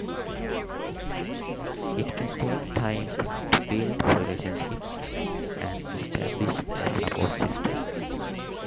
It can take time to build relationships and establish a support system.